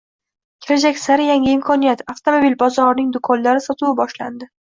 Kelajak sari yangi imkoniyat! Avtomobil bozorining do‘konlari sotuvi boshlandi